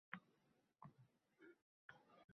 Men roziman, masalan